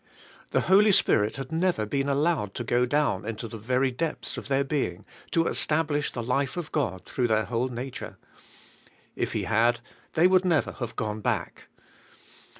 The Holy Spirit had never been allowed to go down into the very depths of their being to establish the life of God through their whole nature. If He had, they would never have gone back.